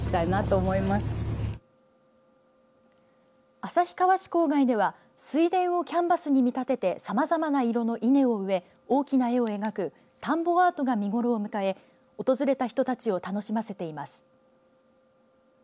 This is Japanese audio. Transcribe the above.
旭川市郊外では水田をキャンバスに見立ててさまざまな色の稲を植え大きな絵を描く田んぼアートが見頃を迎え訪れた人たちを楽しませています。